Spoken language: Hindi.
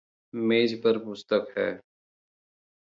मेज़ पर पुस्तक है.